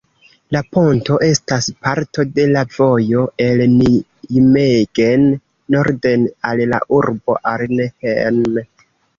La ponto estas parto de la vojo el Nijmegen norden, al la urbo Arnhem.